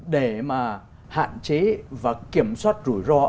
để mà hạn chế và kiểm soát rủi ro